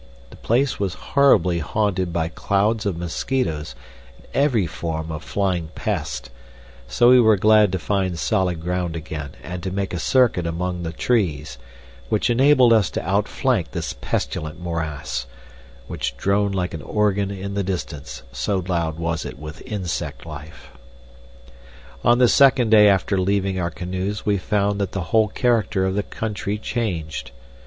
The place was horribly haunted by clouds of mosquitoes and every form of flying pest, so we were glad to find solid ground again and to make a circuit among the trees, which enabled us to outflank this pestilent morass, which droned like an organ in the distance, so loud was it with insect life. On the second day after leaving our canoes we found that the whole character of the country changed.